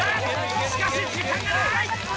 しかし時間がない！